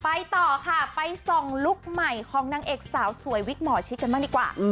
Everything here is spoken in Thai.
ไปต่อค่ะไปส่องลุคใหม่ของนางเอกสาวสวยวิกหมอชิดกันบ้างดีกว่า